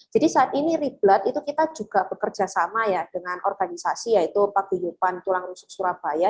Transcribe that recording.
jadi saat ini reblood itu kita juga bekerja sama ya dengan organisasi yaitu pak duyupan tulang rusuk surabaya